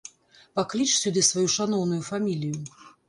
Пакліч сюды сваю шаноўную фамілію.